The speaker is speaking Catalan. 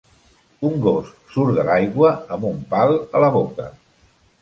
Un gos surt de l'aigua amb un pal a la boca.